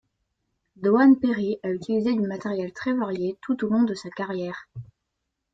Doane Perry a utilisé du matériel très varié tout au long de sa carrière.